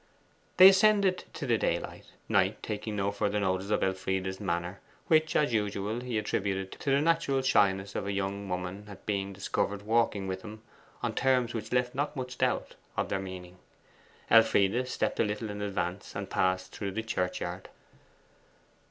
They ascended to the daylight, Knight taking no further notice of Elfride's manner, which, as usual, he attributed to the natural shyness of a young woman at being discovered walking with him on terms which left not much doubt of their meaning. Elfride stepped a little in advance, and passed through the churchyard.